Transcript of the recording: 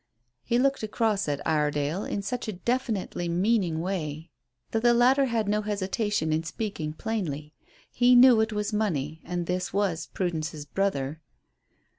He looked across at Iredale in such a definitely meaning way that the latter had no hesitation in speaking plainly. He knew it was money, and this was Prudence's brother.